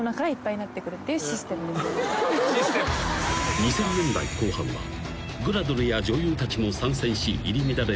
［２０００年代後半はグラドルや女優たちも参戦し入り乱れる